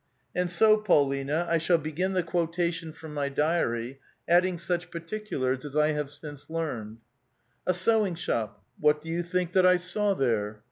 And so, Paulina, I shall begin the quotation from my diary, adding such particulars as I have since learned. A sewing shop — wliat do you think that I saw there?